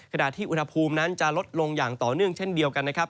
ขณะที่อุณหภูมินั้นจะลดลงอย่างต่อเนื่องเช่นเดียวกันนะครับ